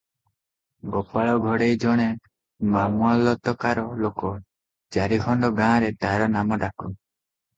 ଗୋପାଳ ଘଡ଼େଇ ଜଣେ ମାମଲତକାର ଲୋକ, ଚାରିଖଣ୍ଡ ଗାଁରେ ତାହାର ନାମ ଡାକ ।